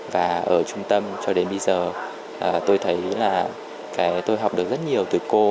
và ở trung tâm cho đến bây giờ tôi thấy là tôi học được rất nhiều từ cô